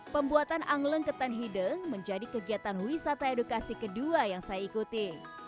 pembuatan angleng ketan hide menjadi kegiatan wisata edukasi kedua yang saya ikuti